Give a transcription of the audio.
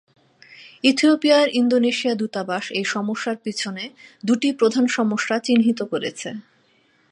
ইথিওপিয়ার Indonesia দূতাবাস এই সমস্যার পিছনে দুটি প্রধান সমস্যা চিহ্নিত করেছে।